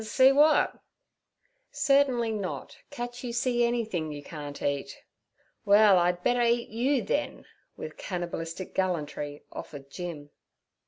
'See w'at?' 'Certainly not—catch you see anythin' you can't eat.' 'Well, I'd better eat you, then' with cannabalistic gallantry offered Jim.